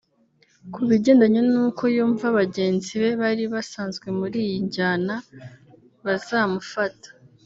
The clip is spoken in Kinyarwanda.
Kubigendanye n’uko yumva bagenzi be bari basanzwe muri iyi njyana bazamufata